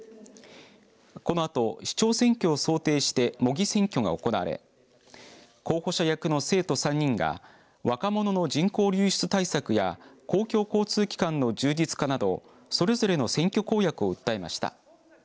このあと市長選挙を想定して模擬選挙が行われ候補者役の生徒３人が若者の人口流出対策や公共交通機関の充実化などそれぞれの選挙公約を訴えました。